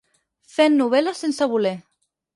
Fent novel·la sense voler.